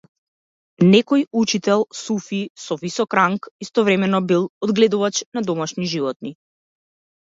Некој учител, суфи со висок ранг, истовремено бил одгледувач на домашни животни.